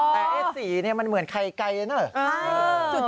แต่ไอ้สีเนี่ยมันเหมือนไข่ไก่นะเหรอ